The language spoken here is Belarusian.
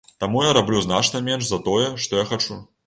Таму я раблю значна менш за тое, што я хачу.